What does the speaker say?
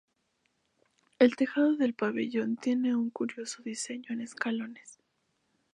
El tejado del pabellón tiene un curioso diseño en escalones.